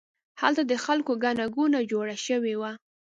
هلته د خلکو ګڼه ګوڼه جوړه شوې وه.